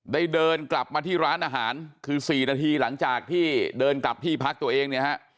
เดินกลับมาที่ร้านอาหารคือ๔นาทีหลังจากที่เดินกลับที่พักตัวเองเนี่ยฮะ